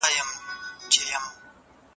هیله مند انسان د ستونزو په وړاندې مقاومت کوي.